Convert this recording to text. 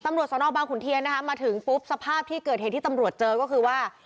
ตำรวจสนบางขุนเทียนนะคะมาถึงปุ๊บสภาพที่เกิดเหตุที่ตำรวจเจอก็คือว่า